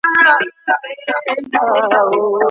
د خوښۍ شیبې په لیکلو سره لا پسي خوږې کیږي.